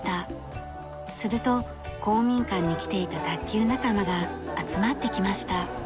すると公民館に来ていた卓球仲間が集まってきました。